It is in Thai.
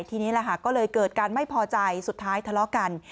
ทีนี้ก็เลยเกิดการไม่พอใจสุดท้ายทะเลาะกัน